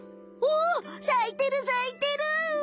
おっさいてるさいてる！